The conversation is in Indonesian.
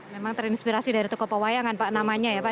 memang terinspirasi dari tukup wayangan pak namanya ya pak